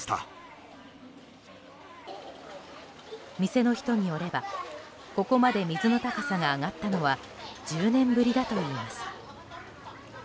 店の人によればここまで水の高さが上がったのは１０年ぶりだといいます。